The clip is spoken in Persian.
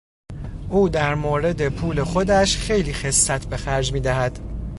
او در مورد پول خودش خیلی خست به خرج میدهد.